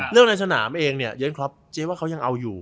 เรื่องในสนามเองเย้นคลอปเจ๊ว่าเขายังเอาอยู่